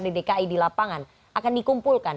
di dki di lapangan akan dikumpulkan